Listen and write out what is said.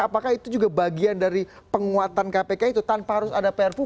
apakah itu juga bagian dari penguatan kpk itu tanpa harus ada prpu